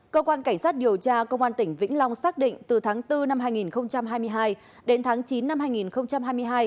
cơ quan cảnh sát điều tra công an tỉnh vĩnh long xác định từ tháng bốn năm hai nghìn hai mươi hai đến tháng chín năm hai nghìn hai mươi hai